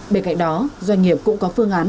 bên cạnh đó doanh nghiệp cũng có phương án